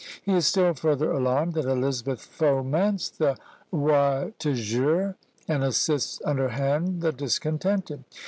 He is still further alarmed, that Elizabeth foments the wartegeux, and assists underhand the discontented.